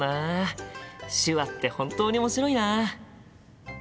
手話って本当に面白いな。